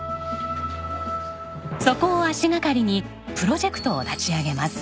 そこを足掛かりにプロジェクトを立ち上げます。